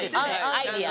アイデア。